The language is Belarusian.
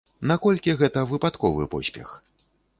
Наколькі гэта выпадковы поспех?